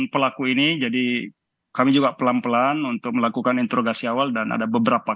pelaku ini jadi kami juga pelan pelan untuk melakukan interogasi awal dan ada beberapa